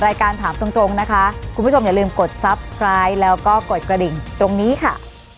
วันนี้สวัสดีค่ะ